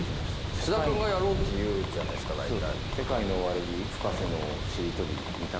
菅田君がやろうっていうじゃないですか、大体。